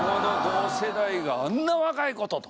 同世代が「あんな若い子と」と。